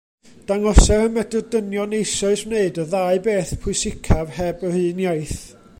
Dangoser y medr dynion eisoes wneud y ddau beth pwysicaf heb yr un iaith.